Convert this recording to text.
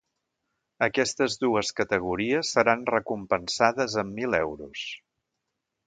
Aquestes dues categories seran recompensades amb mil euros.